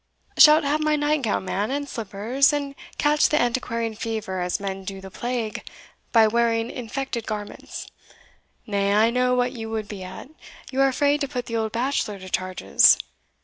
"Shalt have my night gown, man, and slippers, and catch the antiquarian fever as men do the plague, by wearing infected garments. Nay, I know what you would be at you are afraid to put the old bachelor to charges.